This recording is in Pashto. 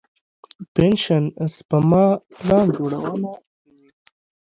پنشن سپما پلان جوړونه کوي.